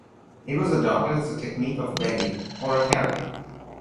It was adopted as a technique of begging, or a character.